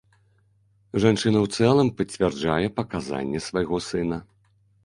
Жанчына ў цэлым пацвярджае паказанні свайго сына.